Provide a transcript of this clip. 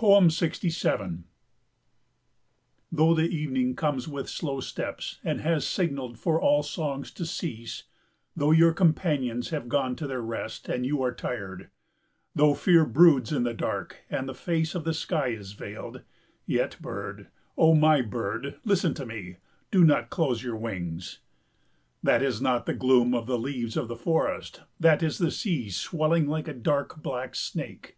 67 Though the evening comes with slow steps and has signalled for all songs to cease; Though your companions have gone to their rest and you are tired; Though fear broods in the dark and the face of the sky is veiled; Yet, bird, O my bird, listen to me, do not close your wings. That is not the gloom of the leaves of the forest, that is the sea swelling like a dark black snake.